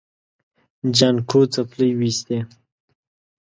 جانکو څپلۍ وېستې.